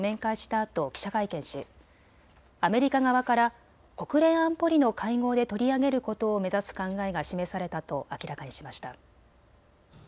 あと記者会見しアメリカ側から国連安保理の会合で取り上げることを目指す考えが示されたと明らかにしました。